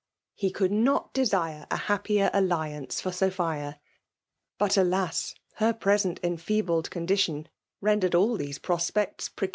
'He could not desire a happier alfiiance for ^fiophia. But, alas ! her present enfeebled t^ondation rendered all these prospects pi«